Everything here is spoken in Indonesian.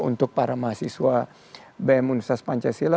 untuk para mahasiswa bm universitas pancasila